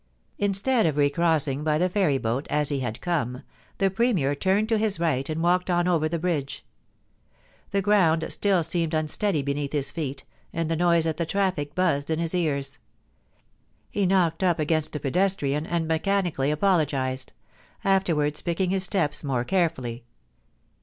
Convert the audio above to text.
Instead of re crossing by the ferry boat, as he had come, the Premier turned to his right and walked on over the bridge. The ground still seemed unsteady beneath his feet, and the noise of the traffic buzzed in his ears. He knocked up against a pedestrian and mechanically apologised: after wards picking his steps more carefully.